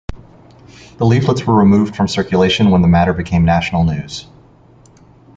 The leaflets were removed from circulation when the matter became national news.